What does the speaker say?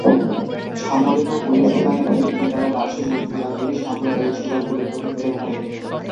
সামরিক ও পুলিশ উভয় নেতৃত্বের দ্বারা বার্ষিক বক্তৃতাগুলি সাম্প্রদায়িক সেবার গুরুত্বকে তুলে ধরে।